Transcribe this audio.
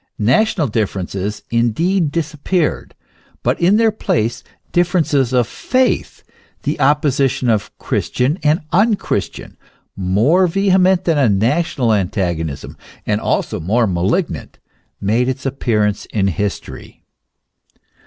National differ ences indeed disappeared ; but in their place difference of faith, the opposition of Christian and un Christian, more vehement than a national antagonism and also more malignant, made its appearance in history.